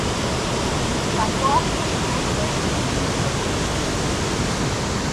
Er forschte in Cambridge in Physiologie.